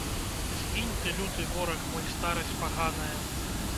Згінь ты, люты вораг мой, старасць паганая!